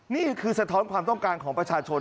นี่คือสะท้อนความต้องการของประชาชน